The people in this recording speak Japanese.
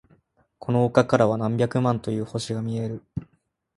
この丘からは何百万という星が見える。